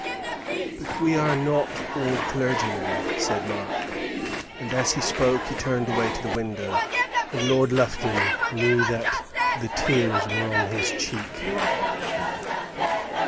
"But we are not all clergymen," said Mark, and as he spoke he turned away to the window and Lord Lufton knew that the tears were on his cheek.